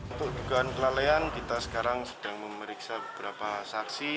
untuk dugaan kelalaian kita sekarang sedang memeriksa beberapa saksi